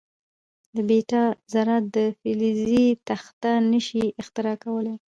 د بیټا ذرات فلزي تخته نه شي اختراق کولای.